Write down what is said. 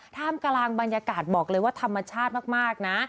ท่ามกลางบรรยากาศบอกเลยว่าธรรมชาติมากนะ